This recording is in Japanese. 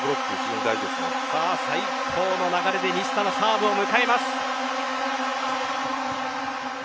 最高の流れで西田のサーブを迎えます。